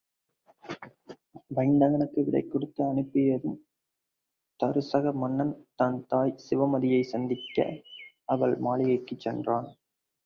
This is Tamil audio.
வயந்தகனுக்கு விடை கொடுத்து அனுப்பியதும் தருசக மன்னன், தன் தாய் சிவமதியைச் சந்திக்க அவள் மாளிகைக்குச் சென்றான்.